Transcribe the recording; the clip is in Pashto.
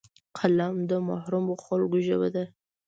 قلم د محرومو خلکو ژبه ده